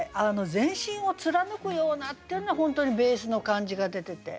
「全身を貫くような」っていうのが本当にベースの感じが出てて